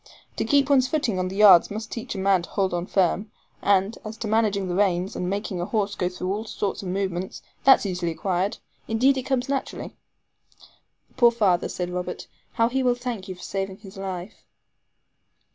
To keep one's footing on the yards must teach a man to hold on firm; and as to managing the reins, and making a horse go through all sorts of movements, that's easily acquired. Indeed, it comes naturally." "Poor father," said Robert; "how he will thank you for saving his life."